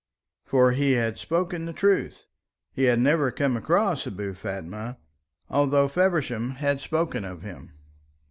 For he had spoken the truth. He never had come across Abou Fatma, although Feversham had spoken of him.